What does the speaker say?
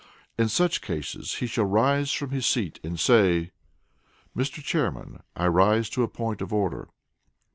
In such cases he shall rise from his seat, and say, "Mr. Chairman, I rise to a point of order."